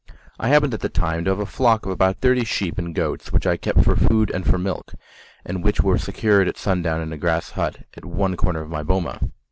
I happened at the time to have a flock of about thirty sheep and goats which I kept for food and for milk, and which were secured at sundown in a grass hut at one corner of my boma.